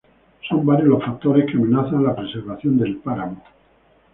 Son varios los factores que amenazan la preservación del páramo.